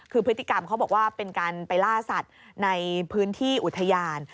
คือพฤติกรรมเขาบอกว่าเป็นการไปล่าสัตว์ในพื้นที่อุทยาน